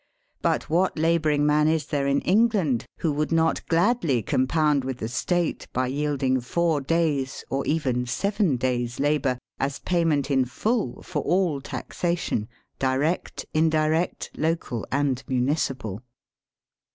But what labouring man is there in England who would not gladly compound with the State by yielding four days', or even seven days', labour as payment in full for all tax ation, direct, indirect, local, and municipal